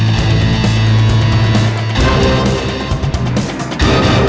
ya tapi lo udah kodok sama ceweknya